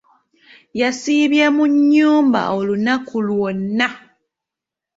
Yasiibye mu nnyumba olunaku lwonna.